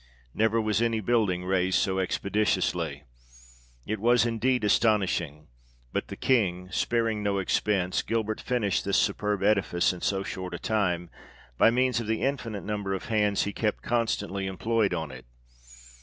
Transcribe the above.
Never was any building raised so expeditiously. It was, indeed, astonishing ; but, the King sparing no expense, Gilbert finished this superb edifice in so short a time, by means of the infinite number of hands he kept constantly employed on it.